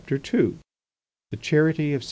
II. THE CHARITY OF ST.